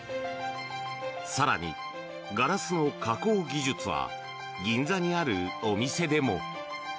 更に、ガラスの加工技術は銀座にあるお店でも。